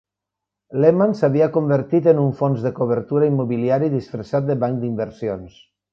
Lehman s'havia convertit en un fons de cobertura immobiliari disfressat de banc d'inversions.